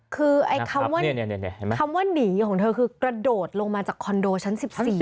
คำว่าหนีของเธอคือกระโดดลงมาจากคอนโดชั้น๑๔